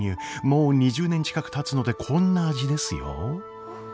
もう２０年近くたつのでこんな味ですよ。